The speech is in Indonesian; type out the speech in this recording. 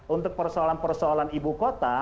untuk persoalan persoalan ibu kota